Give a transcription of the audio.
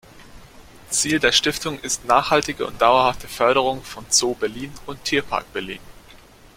Ziel der Stiftung ist nachhaltige und dauerhafte Förderung von Zoo Berlin und Tierpark Berlin.